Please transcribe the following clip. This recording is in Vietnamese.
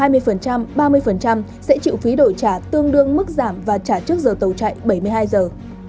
mức giảm hai mươi ba mươi sẽ chịu phí đổi trả tương đương mức giảm và trả trước giờ tàu chạy bảy mươi hai giờ